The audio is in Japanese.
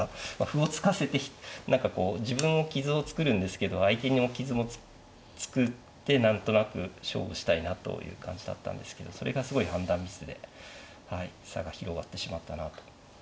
歩を突かせて何かこう自分も傷を作るんですけど相手にも傷を作って何となく勝負したいなという感じだったんですけどそれがすごい判断ミスで差が広がってしまったなと。